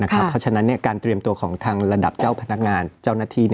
เพราะฉะนั้นการเตรียมตัวของทางระดับเจ้าพนักงานเจ้าหน้าที่